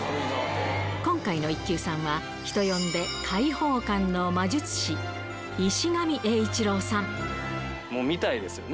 今回の一級さんは、人呼んで開放感の魔術師、もう見たいですよね。